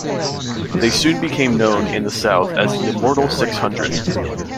They soon became known in the South as the Immortal Six Hundred.